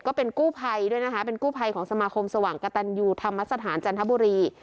ก็เป็นกู้ภัยด้วยนะคะเป็นกู้ภัยของสมาคมสว่างกระตันยูธรรมสถานจันทบุรี